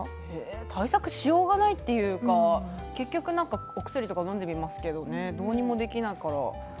対策しようがないというか結局、お薬とかのんでいますけどどうにもできないから。